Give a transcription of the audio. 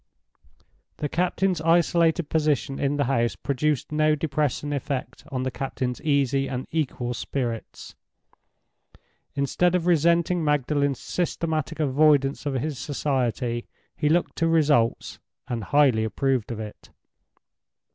The captain's isolated position in the house produced no depressing effect on the captain's easy and equal spirits. Instead of resenting Magdalen's systematic avoidance of his society, he looked to results, and highly approved of it.